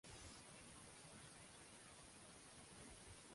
Robert Gerhard i Ottenwaelder va ser un compositor nascut a Valls.